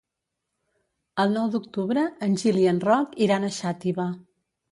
El nou d'octubre en Gil i en Roc iran a Xàtiva.